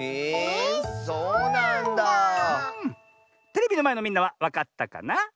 テレビのまえのみんなはわかったかなあ？